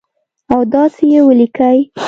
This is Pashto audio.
او داسي یې ولیکئ